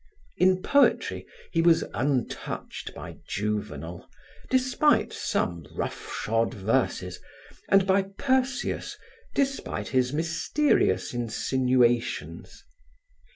In poetry, he was untouched by Juvenal, despite some roughshod verses, and by Persius, despite his mysterious insinuations.